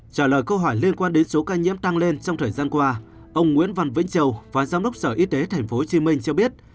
trả lời câu hỏi liên quan đến số ca nhiễm tăng lên trong thời gian qua ông nguyễn văn vĩnh châu phó giám đốc sở y tế tp hcm cho biết